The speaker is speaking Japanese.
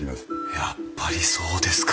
やっぱりそうですか。